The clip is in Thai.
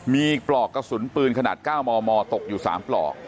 มีปลอกกระสุนปืนขนาด๙มมตกอยู่๓ปลอก